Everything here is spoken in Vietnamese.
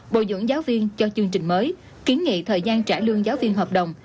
bồi dưỡng giáo viên cho chương trình mới kiến nghị thời gian trả lương giáo viên hợp đồng